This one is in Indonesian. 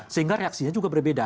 sehingga reaksinya juga berbeda